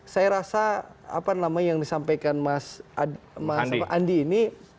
saya rasa apa namanya yang disampaikan mas andi ini